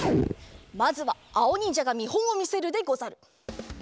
まずはあおにんじゃがみほんをみせるでござる。